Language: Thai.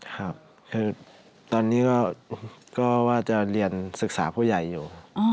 ครับคือตอนนี้ก็ว่าจะเรียนศึกษาผู้ใหญ่อยู่